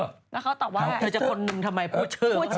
แล้วเขาตอบว่าถ้าเธอจะคนนึงทำไมพูดชื่อมันก็ได้